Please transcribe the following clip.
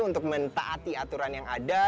untuk mentaati aturan yang ada